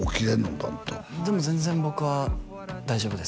パッとはいでも全然僕は大丈夫です